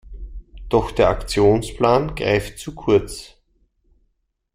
Doch der Aktionsplan greift zu kurz.